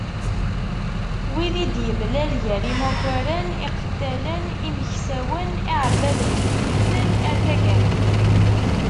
Wid i d-yemlal gar imakaren, iqettalen, imeksawen, iεebbaden n yilluten, atg.